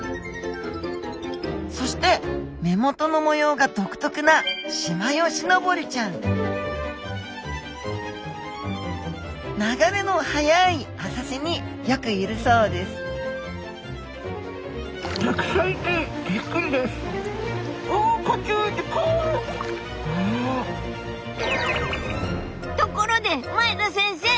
そして目元の模様が独特なシマヨシノボリちゃん流れの速い浅瀬によくいるそうですところで前田先生！